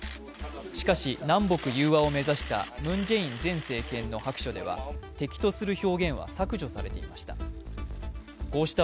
しかし、南北融和を目指したムン・ジェイン前政権では敵とする表現は削除されていました。